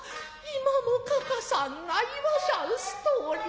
今もかかさんが云わしゃんす通り